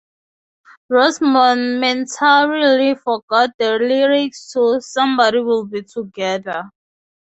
Ross momentarily forgot the lyrics to "Someday We'll Be Together".